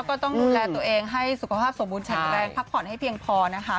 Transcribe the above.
ก็ต้องดูแลตัวเองให้สุขภาพสมบูรณแข็งแรงพักผ่อนให้เพียงพอนะคะ